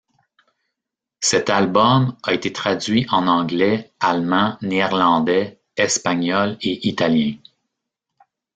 Cet album a été traduit en anglais, allemand, néerlandais, espagnol et italien.